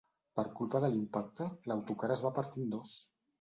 Per culpa de l’impacte, l’autocar es va partir en dos.